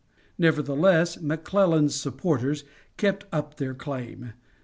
Nevertheless, McClellan's supporters kept up their claim.